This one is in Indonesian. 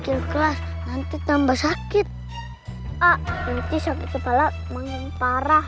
agus siratu subang maram